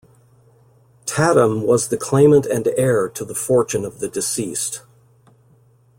Tatham was the claimant and heir to the fortune of the deceased.